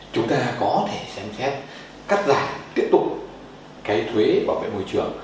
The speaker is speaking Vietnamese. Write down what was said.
chúng ta có thể xem xét cắt giảm tiếp tục cái thuế bảo vệ môi trường